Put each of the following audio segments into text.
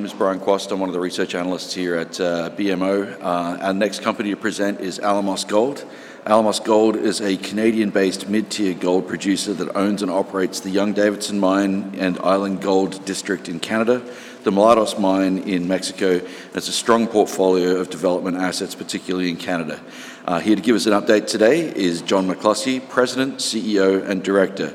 My name is Brian Quast. I'm one of the research analysts here at BMO. Our next company to present is Alamos Gold. Alamos Gold is a Canadian-based mid-tier gold producer that owns and operates the Young-Davidson Mine and Island Gold District in Canada, the Mulatos Mine in Mexico, has a strong portfolio of development assets, particularly in Canada. Here to give us an update today is John McCluskey, President, CEO, and Director.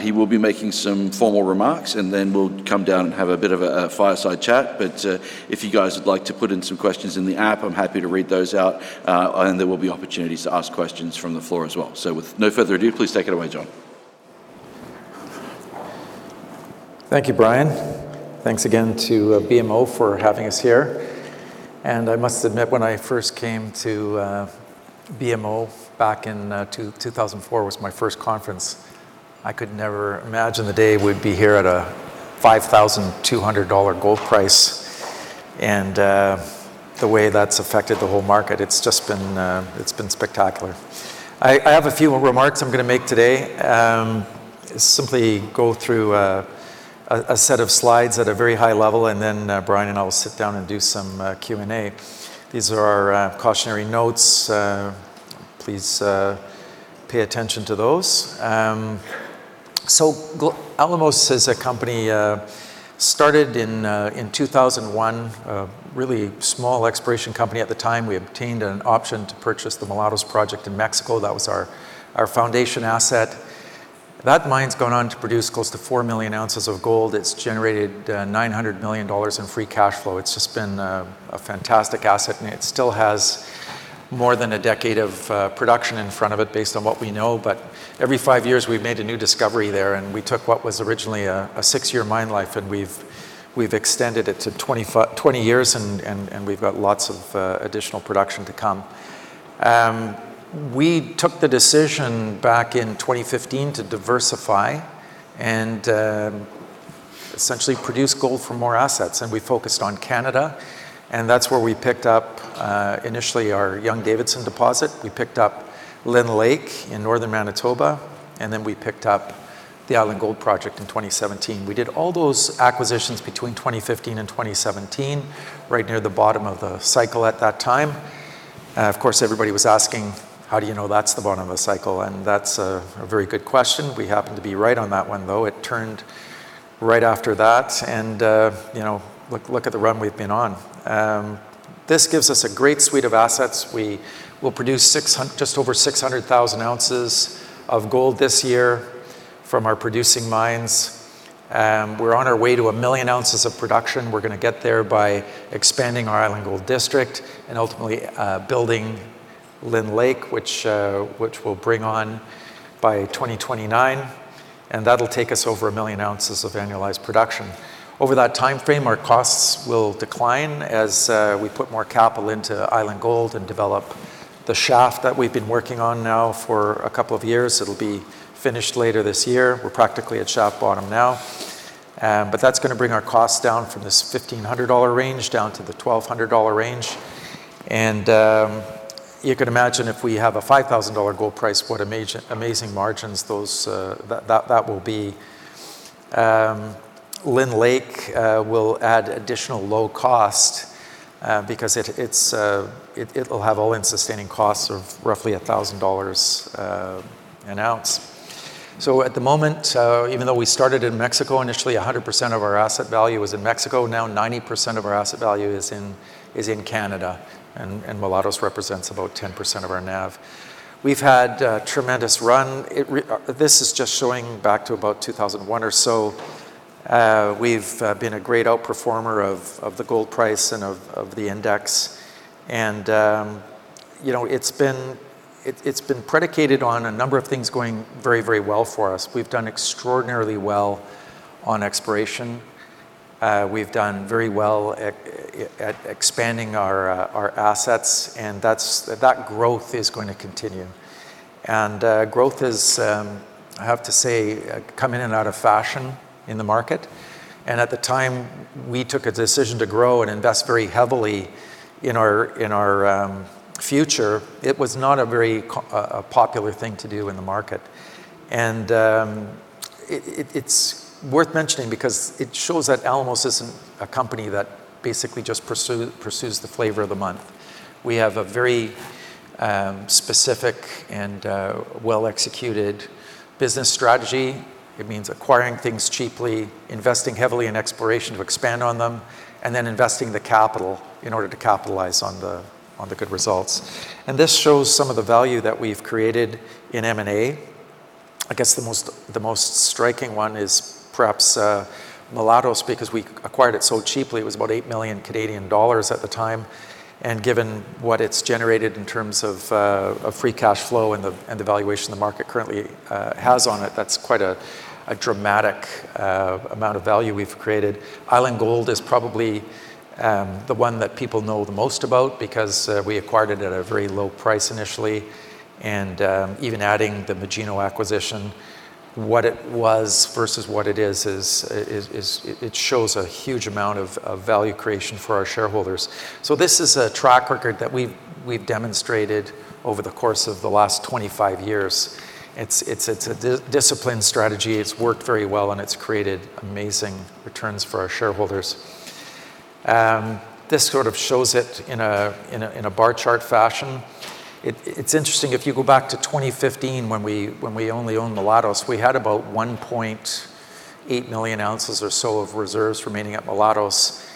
He will be making some formal remarks, and then we'll come down and have a bit of a fireside chat. If you guys would like to put in some questions in the app, I'm happy to read those out, and there will be opportunities to ask questions from the floor as well. With no further ado, please take it away, John. Thank you, Brian. Thanks again to BMO for having us here. I must admit, when I first came to BMO back in 2004 was my first conference, I could never imagine the day we'd be here at a $5,200 gold price. The way that's affected the whole market, it's just been, it's been spectacular. I have a few remarks I'm going to make today. Simply go through a set of slides at a very high level, and then Brian and I will sit down and do some Q&A. These are our cautionary notes. Please pay attention to those. Alamos as a company started in 2001, a really small exploration company at the time. We obtained an option to purchase the Mulatos project in Mexico. That was our foundation asset. That mine's gone on to produce close to 4 million ounces of gold. It's generated $900 million in free cash flow. It's just been a fantastic asset, and it still has more than a decade of production in front of it, based on what we know. Every five years, we've made a new discovery there, and we took what was originally a six-year mine life, and we've extended it to 20 years, and we've got lots of additional production to come. We took the decision back in 2015 to diversify and essentially produce gold from more assets, and we focused on Canada, and that's where we picked up initially our Young-Davidson deposit. We picked up Lynn Lake in northern Manitoba, and then we picked up the Island Gold project in 2017. We did all those acquisitions between 2015 and 2017, right near the bottom of the cycle at that time. Of course, everybody was asking, "How do you know that's the bottom of the cycle?" That's a very good question. We happened to be right on that one, though. It turned right after that, you know, look at the run we've been on. This gives us a great suite of assets. We will produce just over 600,000 ounces of gold this year from our producing mines. We're on our way to one million ounces of production. We're going to get there by expanding our Island Gold District and ultimately building Lynn Lake, which we'll bring on by 2029, that'll take us over 1 million ounces of annualized production. Over that timeframe, our costs will decline as we put more capital into Island Gold and develop the shaft that we've been working on now for two years. It'll be finished later this year. We're practically at shaft bottom now, that's going to bring our costs down from this $1,500 range down to the $1,200 range. You can imagine if we have a $5,000 gold price, what amazing margins those that will be. Lynn Lake will add additional low cost because it's, it'll have all-in sustaining costs of roughly $1,000 an ounce. At the moment, even though we started in Mexico, initially, 100% of our asset value was in Mexico. Now, 90% of our asset value is in Canada, and Mulatos represents about 10% of our NAV. We've had a tremendous run. This is just showing back to about 2001 or so. We've been a great outperformer of the gold price and of the index. you know, it's been predicated on a number of things going very, very well for us. We've done extraordinarily well on exploration. We've done very well at expanding our assets, and that growth is going to continue. Growth is, I have to say, come in and out of fashion in the market, and at the time, we took a decision to grow and invest very heavily in our, in our future. It was not a very popular thing to do in the market. It's worth mentioning because it shows that Alamos isn't a company that basically just pursues the flavor of the month. We have a very specific and well-executed business strategy. It means acquiring things cheaply, investing heavily in exploration to expand on them, and then investing the capital in order to capitalize on the good results. This shows some of the value that we've created in M&A. I guess the most striking one is perhaps Mulatos, because we acquired it so cheaply. It was about 8 million Canadian dollars at the time. Given what it's generated in terms of free cash flow and the valuation the market currently has on it, that's quite a dramatic amount of value we've created. Island Gold is probably the one that people know the most about because we acquired it at a very low price initially, and even adding the Magino acquisition, what it was versus what it is, it shows a huge amount of value creation for our shareholders. This is a track record that we've demonstrated over the course of the last 25 years. It's a discipline strategy. It's worked very well, and it's created amazing returns for our shareholders. This sort of shows it in a bar chart fashion. It's interesting, if you go back to 2015 when we only owned Mulatos, we had about 1.8 million ounces or so of reserves remaining at Mulatos.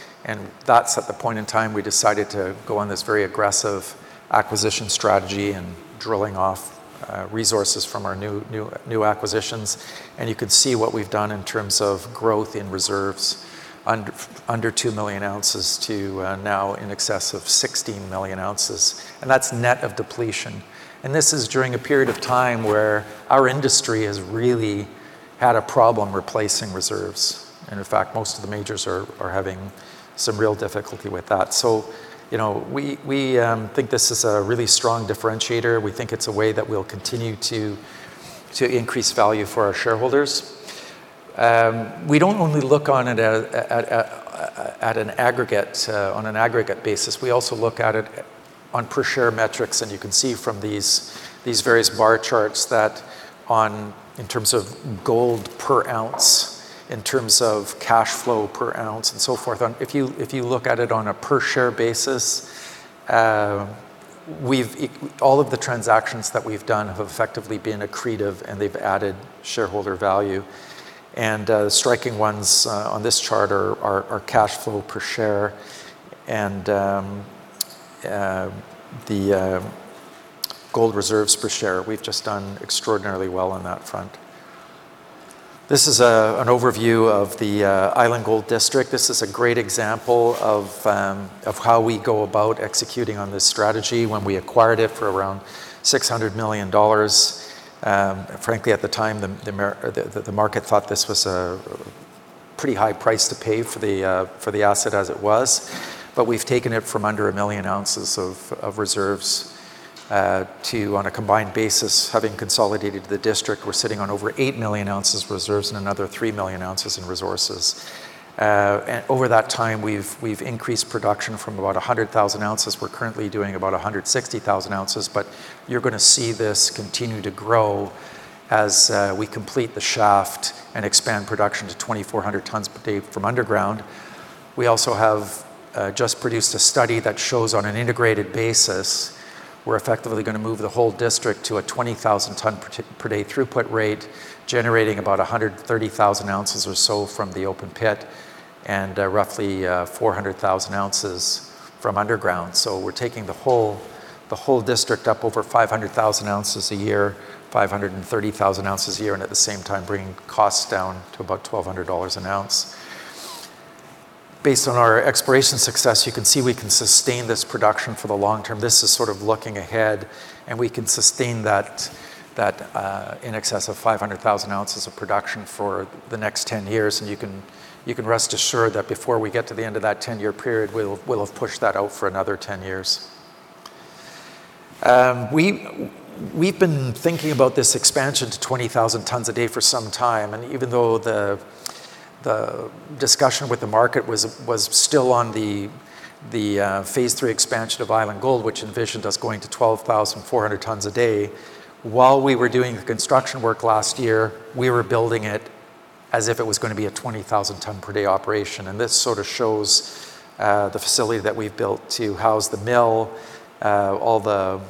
That's at the point in time we decided to go on this very aggressive acquisition strategy and drilling off resources from our new acquisitions. You can see what we've done in terms of growth in reserves under 2 million ounces to now in excess of 16 million ounces. That's net of depletion. This is during a period of time where our industry has really had a problem replacing reserves, and in fact, most of the majors are having some real difficulty with that. You know, we think this is a really strong differentiator. We think it's a way that we'll continue to increase value for our shareholders. We don't only look on it at an aggregate basis, we also look at it on per share metrics, and you can see from these various bar charts that in terms of gold per ounce, in terms of cash flow per ounce, and so forth, if you look at it on a per share basis, all of the transactions that we've done have effectively been accretive, and they've added shareholder value. The striking ones on this chart are cash flow per share and the gold reserves per share. We've just done extraordinarily well on that front. This is an overview of the Island Gold District. This is a great example of how we go about executing on this strategy when we acquired it for around $600 million. Frankly, at the time, the market thought this was a pretty high price to pay for the asset as it was. We've taken it from under 1 million ounces of reserves, to, on a combined basis, having consolidated the district, we're sitting on over 8 million ounces of reserves and another 3 million ounces in resources. Over that time, we've increased production from about 100,000 ounces. We're currently doing about 160,000 ounces. You're gonna see this continue to grow as we complete the shaft and expand production to 2,400 tons per day from underground. We also have just produced a study that shows on an integrated basis, we're effectively gonna move the whole district to a 20,000 ton per day throughput rate, generating about 130,000 ounces or so from the open pit and roughly 400,000 ounces from underground. We're taking the whole district up over 500,000 ounces a year, 530,000 ounces a year, and at the same time, bringing costs down to about $1,200 an ounce. Based on our exploration success, you can see we can sustain this production for the long term. This is sort of looking ahead, and we can sustain that, in excess of 500,000 ounces of production for the next 10 years, and you can rest assured that before we get to the end of that 10-year period, we'll have pushed that out for another 10 years. We've been thinking about this expansion to 20,000 tons a day for some time, and even though the discussion with the market was still on the Phase Three Expansion of Island Gold, which envisioned us going to 12,400 tons a day, while we were doing the construction work last year, we were building it as if it was gonna be a 20,000 ton per day operation. This sort of shows the facility that we've built to house the mill, all the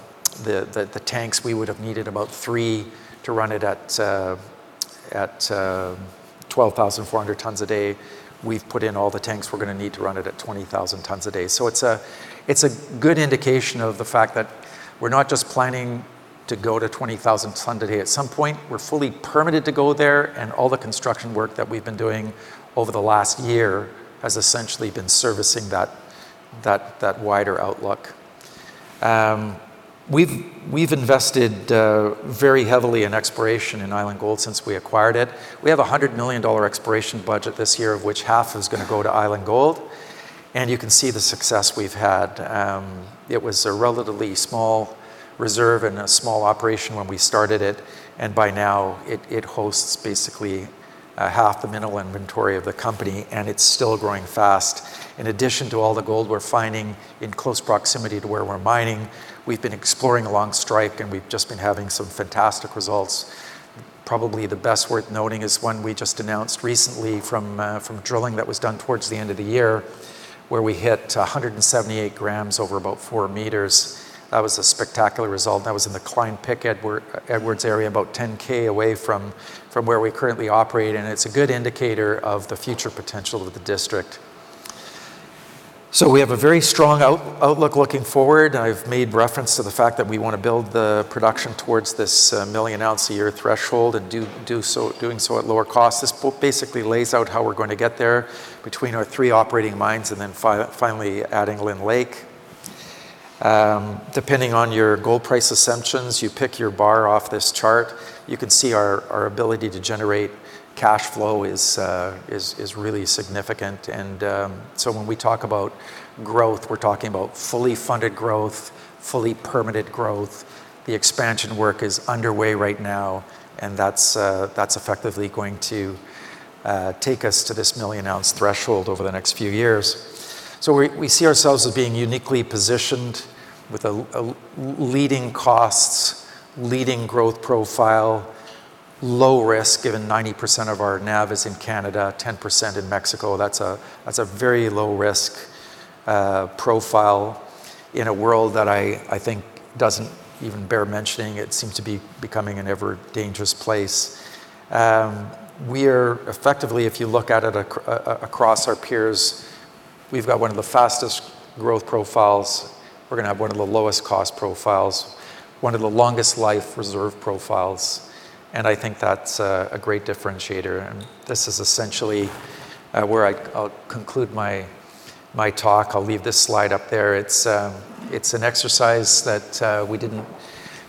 tanks. We would have needed about three to run it at 12,400 tons a day. We've put in all the tanks we're gonna need to run it at 20,000 tons a day. It's a good indication of the fact that we're not just planning to go to 20,000 ton today. At some point, we're fully permitted to go there, and all the construction work that we've been doing over the last year has essentially been servicing that wider outlook. We've invested very heavily in exploration in Island Gold since we acquired it. We have a $100 million exploration budget this year, of which half is gonna go to Island Gold, you can see the success we've had. It was a relatively small reserve and a small operation when we started it, by now it hosts basically half the mineral inventory of the company, it's still growing fast. In addition to all the gold we're finding in close proximity to where we're mining, we've been exploring along strike, we've just been having some fantastic results. Probably the best worth noting is one we just announced recently from drilling that was done towards the end of the year, where we hit 178 grams over about 4 meters. That was a spectacular result. That was in the Cline, Pick and Edwards area, about 10 K away from where we currently operate, and it's a good indicator of the future potential of the district. We have a very strong outlook looking forward. I've made reference to the fact that we want to build the production towards this million-ounce-a-year threshold and doing so at lower cost. This basically lays out how we're going to get there between our three operating mines and then finally, adding Lynn Lake. Depending on your gold price assumptions, you pick your bar off this chart. You can see our ability to generate cash flow is really significant. When we talk about growth, we're talking about fully funded growth, fully permitted growth. The expansion work is underway right now, and that's effectively going to take us to this million-ounce threshold over the next few years. We see ourselves as being uniquely positioned with a leading costs, leading growth profile. Low risk, given 90% of our NAV is in Canada, 10% in Mexico. That's a very low risk profile in a world that I think doesn't even bear mentioning. It seems to be becoming an ever dangerous place. We are effectively, if you look at it across our peers, we've got one of the fastest growth profiles, we're gonna have one of the lowest cost profiles, one of the longest life reserve profiles, and I think that's a great differentiator. This is essentially where I'll conclude my talk. I'll leave this slide up there. It's an exercise that we didn't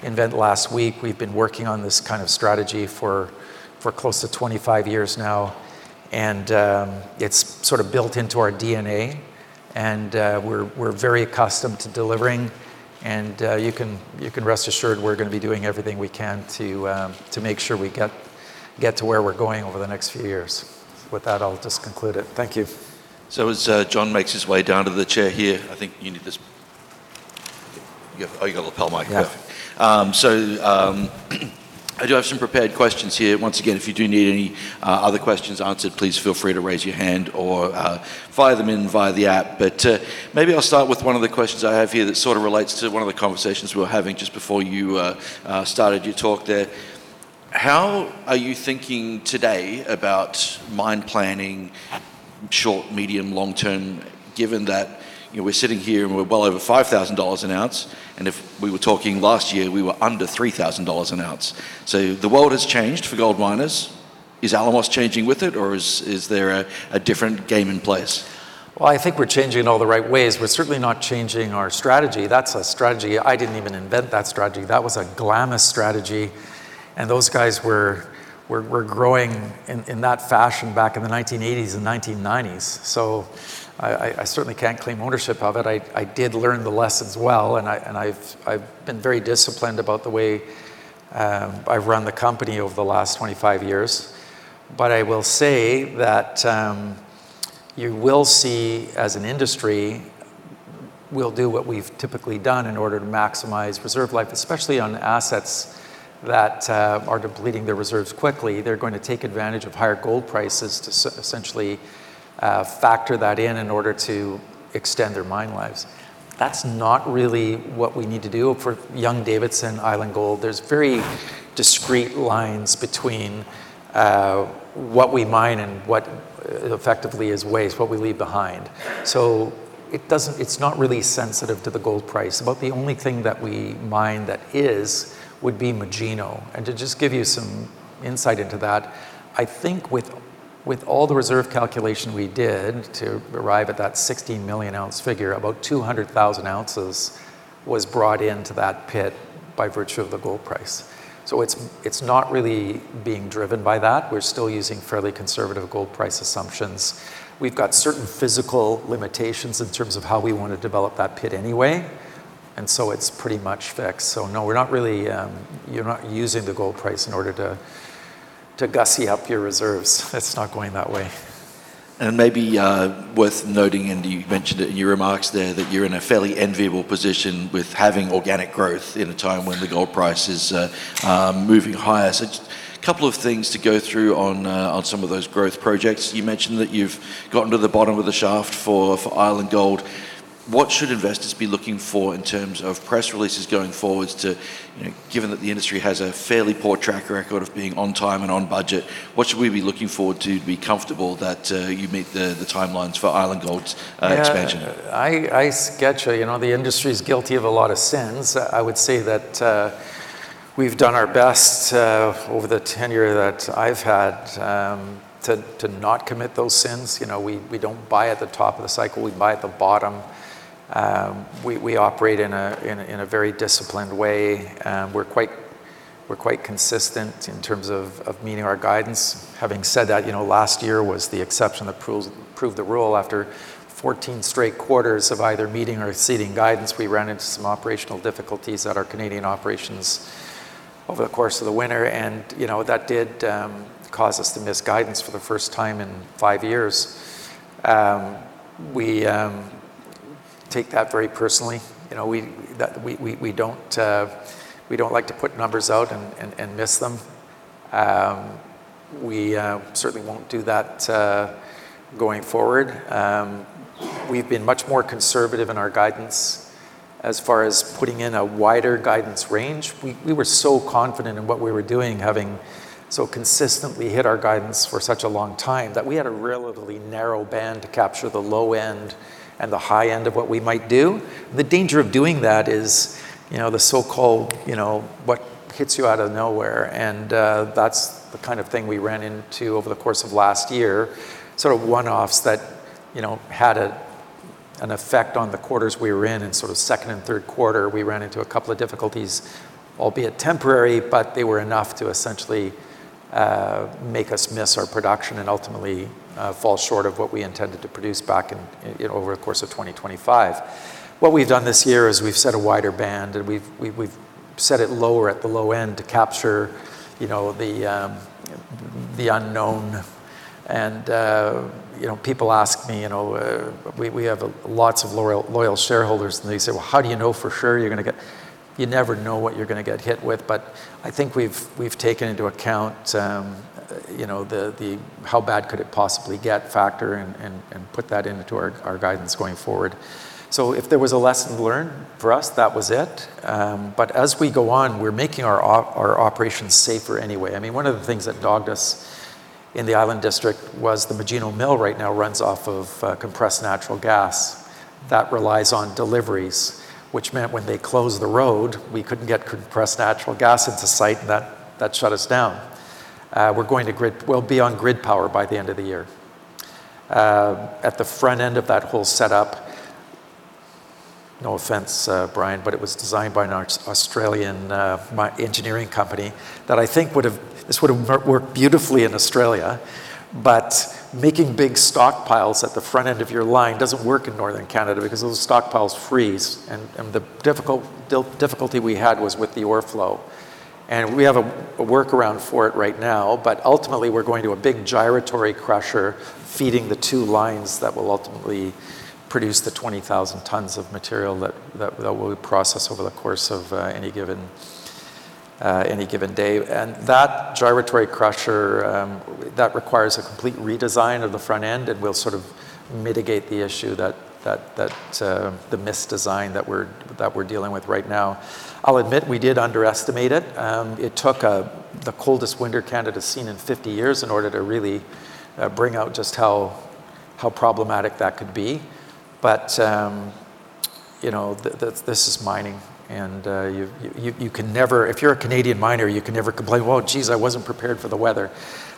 invent last week. We've been working on this kind of strategy for close to 25 years now. It's sort of built into our DNA. We're very accustomed to delivering. You can rest assured we're gonna be doing everything we can to make sure we get to where we're going over the next few years. With that, I'll just conclude it. Thank you. As John makes his way down to the chair here, I think you need this. Oh, you got a lapel mic. Yeah. I do have some prepared questions here. Once again, if you do need any other questions answered, please feel free to raise your hand or fire them in via the app. Maybe I'll start with one of the questions I have here that sort of relates to one of the conversations we were having just before you started your talk there. How are you thinking today about mine planning, short, medium, long term, given that, you know, we're sitting here and we're well over $5,000 an ounce, and if we were talking last year, we were under $3,000 an ounce? The world has changed for gold miners. Is Alamos changing with it, or is there a different game in place? Well, I think we're changing in all the right ways. We're certainly not changing our strategy. That's a strategy... I didn't even invent that strategy. That was a Glamis strategy, and those guys were growing in that fashion back in the 1980s and 1990s. I certainly can't claim ownership of it. I did learn the lessons well, and I've been very disciplined about the way I've run the company over the last 25 years. I will say that you will see, as an industry, we'll do what we've typically done in order to maximize reserve life, especially on assets that are depleting their reserves quickly. They're going to take advantage of higher gold prices to essentially factor that in order to extend their mine lives. That's not really what we need to do. For Young-Davidson Island Gold, there's very discrete lines between what we mine and what, effectively, is waste, what we leave behind. It's not really sensitive to the gold price. About the only thing that we mine that is, would be Magino. To just give you some insight into that, I think with all the reserve calculation we did to arrive at that 16 million ounce figure, about 200,000 ounces was brought into that pit by virtue of the gold price. It's not really being driven by that. We've got certain physical limitations in terms of how we want to develop that pit anyway, and so it's pretty much fixed. No, we're not really, you're not using the gold price in order to gussy up your reserves. It's not going that way. Maybe, worth noting, and you mentioned it in your remarks there, that you're in a fairly enviable position with having organic growth in a time when the gold price is moving higher. Just a couple of things to go through on some of those growth projects. You mentioned that you've gotten to the bottom of the shaft for Island Gold. What should investors be looking for in terms of press releases going forward to, you know? Given that the industry has a fairly poor track record of being on time and on budget, what should we be looking forward to to be comfortable that you meet the timelines for Island Gold's expansion? Yeah, I get you. You know, the industry is guilty of a lot of sins. I would say that we've done our best over the tenure that I've had to not commit those sins. You know, we don't buy at the top of the cycle, we buy at the bottom. We operate in a very disciplined way, and we're quite consistent in terms of meeting our guidance. Having said that, you know, last year was the exception that proved the rule. After 14 straight quarters of either meeting or exceeding guidance, we ran into some operational difficulties at our Canadian operations over the course of the winter and, you know, that did cause us to miss guidance for the first time in five years. We take that very personally. You know, we don't like to put numbers out and miss them. We certainly won't do that going forward. We've been much more conservative in our guidance as far as putting in a wider guidance range. We were so confident in what we were doing, having so consistently hit our guidance for such a long time, that we had a relatively narrow band to capture the low end and the high end of what we might do. The danger of doing that is, you know, the so-called, you know, what hits you out of nowhere, and that's the kind of thing we ran into over the course of last year. Sort of one-offs that, you know, had an effect on the quarters we were in. In sort of second and third quarter, we ran into a couple of difficulties, albeit temporary, but they were enough to essentially make us miss our production and ultimately fall short of what we intended to produce back in over the course of 2025. What we've done this year is we've set a wider band, and we've set it lower at the low end to capture, you know, the unknown. You know, people ask me, you know, we have lots of loyal shareholders, and they say, "Well, how do you know for sure you're gonna get?" You never know what you're gonna get hit with, but I think we've taken into account, you know, the how bad could it possibly get factor and put that into our guidance going forward. If there was a lesson learned for us, that was it. As we go on, we're making our operations safer anyway. I mean, one of the things that dogged us in the Island District was the Magino Mill right now runs off of Compressed Natural Gas that relies on deliveries, which meant when they closed the road, we couldn't get Compressed Natural Gas into site, and that shut us down. We'll be on grid power by the end of the year. At the front end of that whole setup, no offense, Brian, it was designed by an Australian engineering company that I think would have... This would have worked beautifully in Australia, but making big stockpiles at the front end of your line doesn't work in northern Canada because those stockpiles freeze, and the difficulty we had was with the ore flow. We have a workaround for it right now, but ultimately, we're going to a big gyratory crusher feeding the two lines that will ultimately produce the 20,000 tons of material that we process over the course of any given day. That gyratory crusher, that requires a complete redesign of the front end, and we'll sort of mitigate the issue that the misdesign that we're dealing with right now. I'll admit we did underestimate it. It took the coldest winter Canada's seen in 50 years in order to really bring out just how problematic that could be. You know, this is mining, and you can never-- If you're a Canadian miner, you can never complain: "Well, jeez, I wasn't prepared for the weather."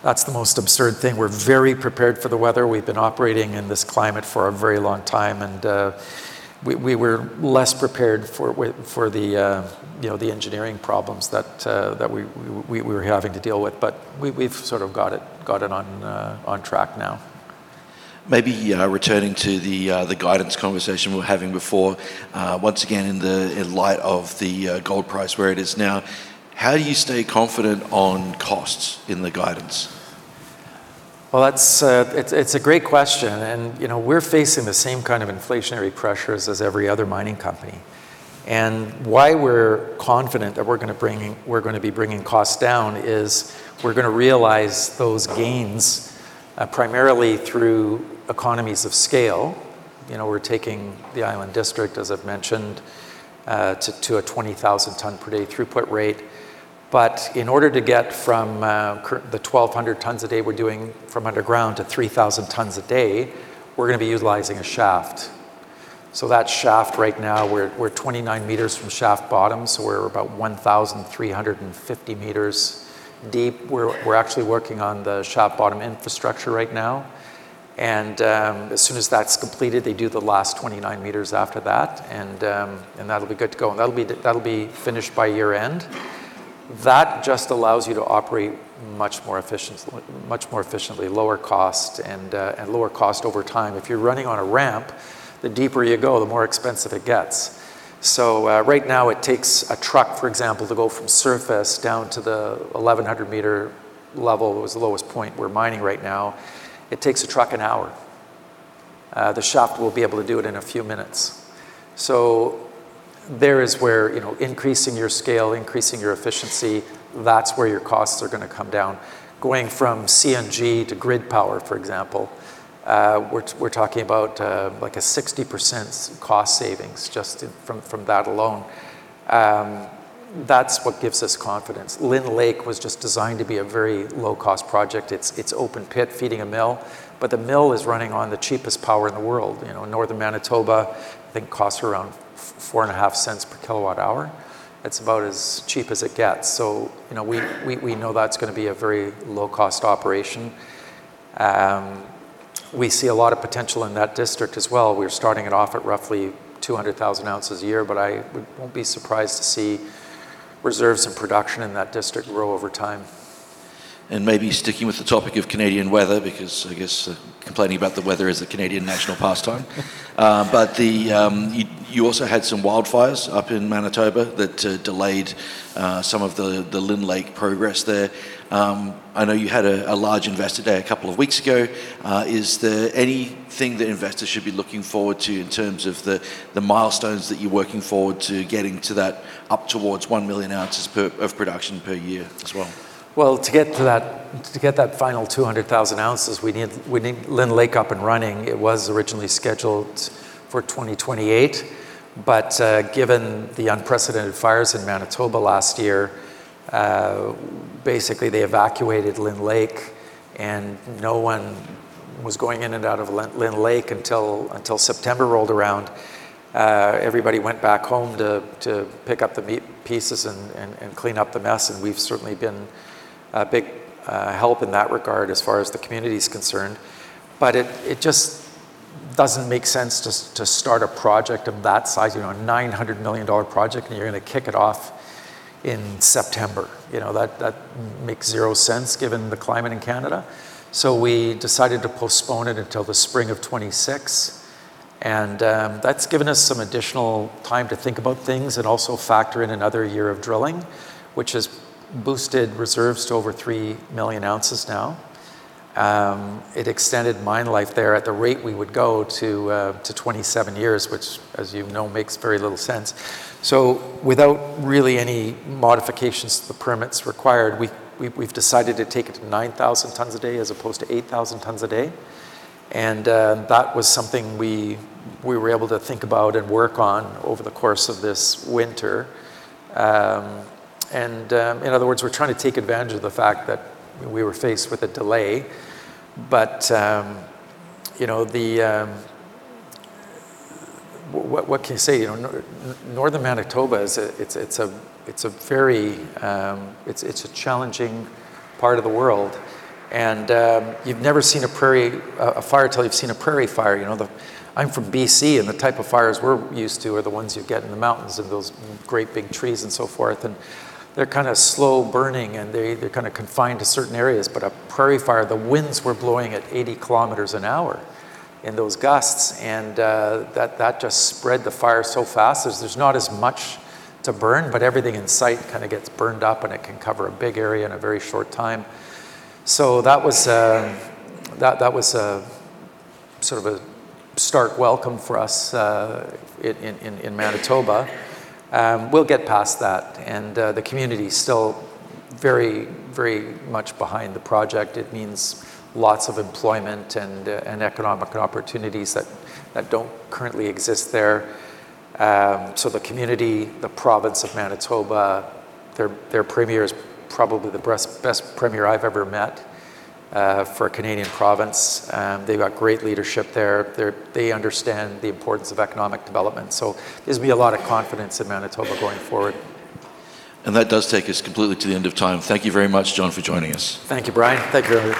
That's the most absurd thing. We're very prepared for the weather. We've been operating in this climate for a very long time, and we were less prepared for the, you know, the engineering problems that we were having to deal with. We've sort of got it, got it on track now. Maybe, returning to the guidance conversation we were having before, once again, in light of the, gold price where it is now, how do you stay confident on costs in the guidance? Well, that's, it's a great question. You know, we're facing the same kind of inflationary pressures as every other mining company. Why we're confident that we're gonna be bringing costs down is we're gonna realize those gains primarily through economies of scale. You know, we're taking the Island District, as I've mentioned, to a 20,000 tons per day throughput rate. In order to get from the 1,200 tons a day we're doing from underground to 3,000 tons a day, we're gonna be utilizing a shaft. That shaft right now, we're 29 meters from shaft bottom, so we're about 1,350 meters deep. We're actually working on the shaft bottom infrastructure right now. As soon as that's completed, they do the last 29 meters after that. That'll be good to go, and that'll be finished by year-end. That just allows you to operate much more efficiently, lower cost, and lower cost over time. If you're running on a ramp, the deeper you go, the more expensive it gets. Right now, it takes a truck, for example, to go from surface down to the 1,100 meter level, was the lowest point we're mining right now, it takes a truck an hour. The shaft will be able to do it in a few minutes. There is where, you know, increasing your scale, increasing your efficiency, that's where your costs are gonna come down. Going from CNG to grid power, for example, we're talking about like a 60% cost savings just in from that alone. That's what gives us confidence. Lynn Lake was just designed to be a very low-cost project. It's open pit, feeding a mill, but the mill is running on the cheapest power in the world. You know, northern Manitoba, I think, costs around $0.045 per kilowatt-hour. It's about as cheap as it gets, you know, we know that's gonna be a very low-cost operation. We see a lot of potential in that district as well. We're starting it off at roughly 200,000 ounces a year, but I would won't be surprised to see reserves and production in that district grow over time. Maybe sticking with the topic of Canadian weather, because I guess complaining about the weather is a Canadian national pastime. You also had some wildfires up in Manitoba that delayed some of the Lynn Lake progress there. I know you had a large investor day a couple of weeks ago. Is there anything that investors should be looking forward to in terms of the milestones that you're working forward to getting to that up towards 1 million ounces of production per year as well? To get that final 200,000 ounces, we need Lynn Lake up and running. It was originally scheduled for 2028, given the unprecedented fires in Manitoba last year, basically, they evacuated Lynn Lake, and no one was going in and out of Lynn Lake until September rolled around. Everybody went back home to pick up the pieces and clean up the mess, we've certainly been a big help in that regard as far as the community's concerned. It just doesn't make sense to start a project of that size, you know, a $900 million project, you're gonna kick it off in September. You know, that makes zero sense given the climate in Canada. We decided to postpone it until the spring of 2026. That's given us some additional time to think about things and also factor in another year of drilling, which has boosted reserves to over 3 million ounces now. It extended mine life there at the rate we would go to 27 years, which, as you know, makes very little sense. Without really any modifications to the permits required, we've decided to take it to 9,000 tons a day as opposed to 8,000 tons a day. That was something we were able to think about and work on over the course of this winter. In other words, we're trying to take advantage of the fact that we were faced with a delay. You know, what can you say? You know, northern Manitoba is a very challenging part of the world. You've never seen a prairie fire till you've seen a prairie fire. You know, I'm from BC, and the type of fires we're used to are the ones you get in the mountains, and those great big trees and so forth, and they're kind of slow-burning, and they're kind of confined to certain areas. A prairie fire, the winds were blowing at 80 kilometers an hour in those gusts, and that just spread the fire so fast. There's not as much to burn, but everything in sight kind of gets burned up, and it can cover a big area in a very short time. That was a sort of a stark welcome for us, in Manitoba. We'll get past that, and the community's still very much behind the project. It means lots of employment and economic opportunities that don't currently exist there. The community, the province of Manitoba, their premier is probably the best premier I've ever met, for a Canadian province. They've got great leadership there. They understand the importance of economic development. Gives me a lot of confidence in Manitoba going forward. That does take us completely to the end of time. Thank you very much, John, for joining us. Thank you, Brian. Thank you very much.